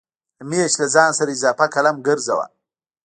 همېش له ځان سره اضافه قلم ګرځوه